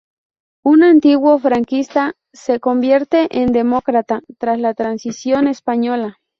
Un antiguo franquista se convierte en demócrata tras la transición española.